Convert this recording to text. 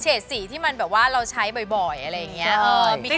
เฉดสีที่เราใช้บ่อยอะไรอย่างนี้